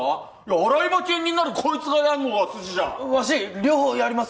洗い場兼任ならこいつがやんのが筋じゃわし両方やります